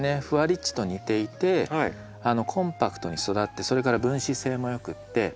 ふわリッチと似ていてコンパクトに育ってそれから分枝性もよくって。